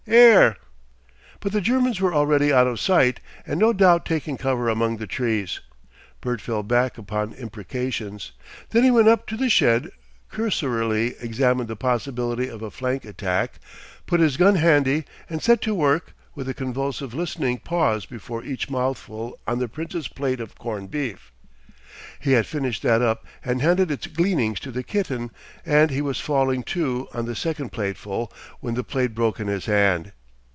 'Ere!" But the Germans were already out of sight, and no doubt taking cover among the trees. Bert fell back upon imprecations, then he went up to the shed, cursorily examined the possibility of a flank attack, put his gun handy, and set to work, with a convulsive listening pause before each mouthful on the Prince's plate of corned beef. He had finished that up and handed its gleanings to the kitten and he was falling to on the second plateful, when the plate broke in his hand!